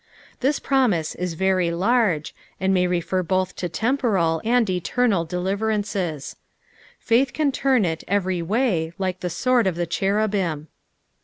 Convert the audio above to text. This promiK is very luge, vad may refer both to temporal and eternal delivennceB ; faith can turn it every way, like the sword of the cherubim.